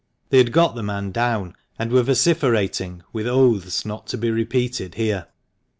They had got the man down, and were vociferating with oaths not to be repeated here.